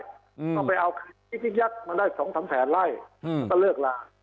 ก็ไปเอามันได้๒สำแสนไล่แล้วก็เลิกราช